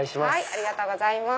ありがとうございます。